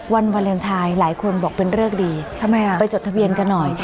วันวาเลนไทยหลายคนบอกเป็นเริกดีทำไมอ่ะไปจดทะเบียนกันหน่อย